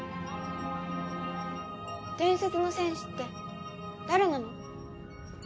伝説の戦士って誰なの？